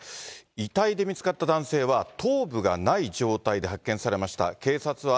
遺体で見つかった男性は頭部がない状態で発見されました。